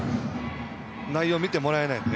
内容を見てもらえないので。